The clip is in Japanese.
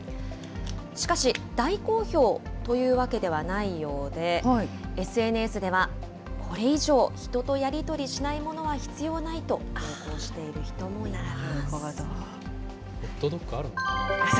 しかし、大好評というわけではないようで、ＳＮＳでは、これ以上、人とやり取りしないものは必要ないと投稿している人もいました。